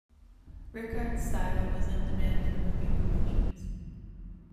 Rickard's style was in demand for movie promotions.